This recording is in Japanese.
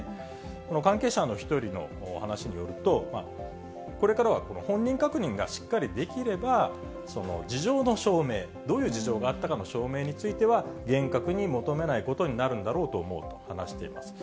この関係者の一人の話によると、これからは本人確認がしっかりできれば、事情の証明、どういう事情があったかの証明については、厳格に求めないことになるんだろうと思うと話しています。